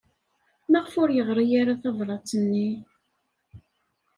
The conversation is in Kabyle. Maɣef ur yeɣri ara tabṛat-nni?